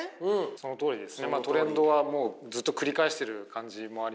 そのとおりですね。